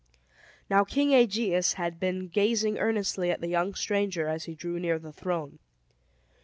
Now King Aegeus had been gazing earnestly at the young stranger, as he drew near the throne.